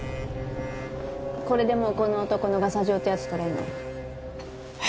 これでもうこの男のガサ状ってやつとれるの？はあ